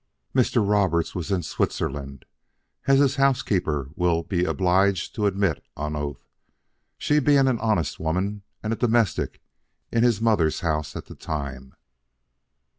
"Mr. Roberts was in Switzerland, as his housekeeper will be obliged to admit on oath, she being an honest woman and a domestic in his mother's house at the time.